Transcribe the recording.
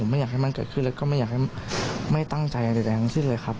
ผมไม่อยากให้มันเกิดขึ้นและก็ไม่อยากให้มีตั้งใจอะไรแบบนั้นที่เลยครับ